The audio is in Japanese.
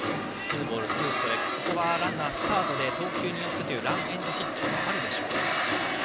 ここはランナースタートでランエンドヒットもあるでしょうか。